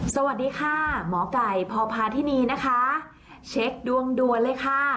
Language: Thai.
สวัสดีค่ะหมอไก่พพาธินีนะคะเช็คดวงด่วนเลยค่ะ